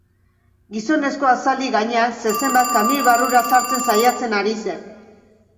Gizonezkoa, zaldi gainean, zezen bat kamioi barrura sartzen saiatzen ari zen.